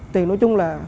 tiền nói chung là